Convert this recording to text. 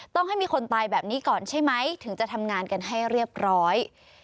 ต้องให้มีคนตายแบบนี้ก่อนใช่ไหมถึงจะทำงานกันให้เรียบร้อย